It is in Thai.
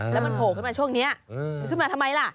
แล้วมันโผล่ขึ้นมาช่วงนี้มันขึ้นมาทำไมล่ะ